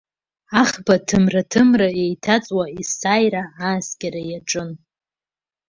Аӷба ҭымраҭымра еиҭаҵуа есааира ааскьара иаҿын.